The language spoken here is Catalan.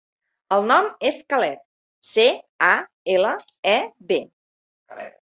El nom és Caleb: ce, a, ela, e, be.